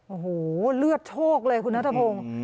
โอ้โหเลือดโชคเลยคุณนัทพงศ์